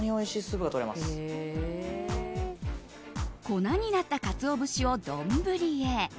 粉になったカツオ節を、丼へ。